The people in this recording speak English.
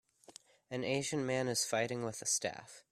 An Asian man is fighting with a staff.